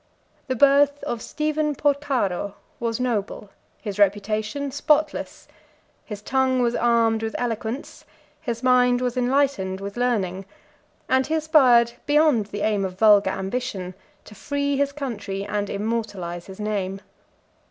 The birth of Stephen Porcaro was noble, his reputation spotless: his tongue was armed with eloquence, his mind was enlightened with learning; and he aspired, beyond the aim of vulgar ambition, to free his country and immortalize his name.